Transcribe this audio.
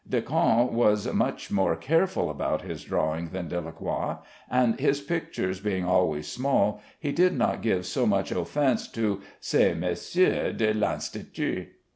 Decamps was much more careful about his drawing than Delacroix, and his pictures being always small, he did not give so much offence to "Ces Messieurs de l'Institût."